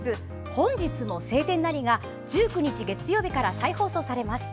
「本日も晴天なり」が１９日月曜日から再放送されます。